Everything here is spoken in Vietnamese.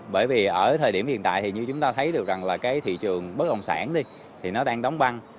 bởi vì ở thời điểm hiện tại thì như chúng ta thấy được rằng là cái thị trường bất động sản thì nó đang đóng băng